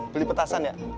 beli petasan ya